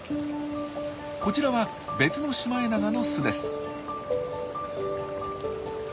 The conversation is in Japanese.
こちらは別のシマエナガの巣です。